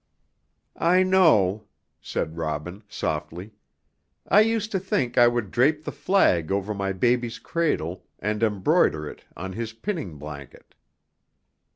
"I know," said Robin, softly; "I used to think I would drape the flag over my baby's cradle, and embroider it on his pinning blanket."